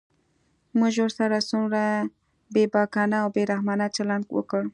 موږ ورسره څومره بېباکانه او بې رحمانه چلند وکړ.